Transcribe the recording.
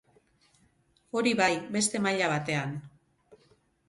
Hori bai beste maila batean.